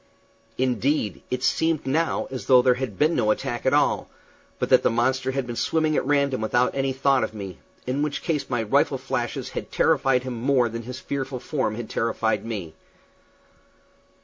Indeed, it seemed now as though there had been no attack at all, but that the monster had been swimming at random without any thought of me, in which case my rifle flashes had terrified him more than his fearful form had terrified me.